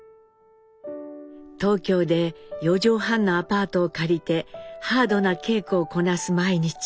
東京で４畳半のアパートを借りてハードな稽古をこなす毎日。